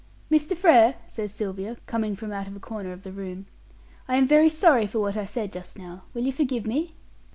"Mr. Frere," says Sylvia, coming from out a corner of the room, "I am very sorry for what I said just now. Will you forgive me?"